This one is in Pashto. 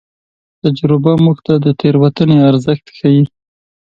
تجربه موږ ته د تېروتنې ارزښت ښيي.